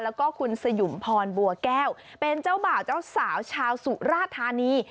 แล้วก็คุณสยุมพรบัวแก้วเป็นเจ้าบ่าวเจ้าสาวชาวสุราธานี